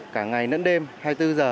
cả ngày nẫn đêm hai mươi bốn h